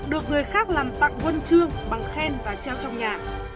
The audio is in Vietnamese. được người khác làm tặng huân chương bằng khen và treo trong nhà